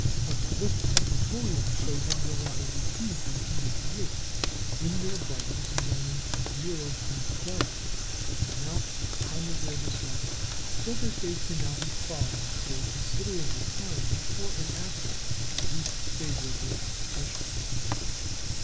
But the Lick equatoreal showed them, July 18, 1888, when their brightness was only 0·12 its amount at the time of their discovery; so that they can now be followed for a considerable time before and after the least favourable oppositions.